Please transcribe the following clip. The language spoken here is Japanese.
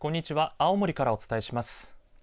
青森からお伝えします。